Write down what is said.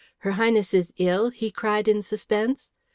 "Her Highness is ill?" he cried in suspense.